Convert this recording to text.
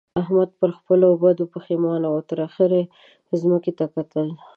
احمد پر خپلو بدو پېښمانه وو او تر اخېره يې ځمکې ته کتل.